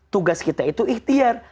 tugas kita itu ikhtiar